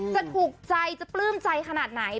จะถูกใจจะปลื้มใจขนาดไหน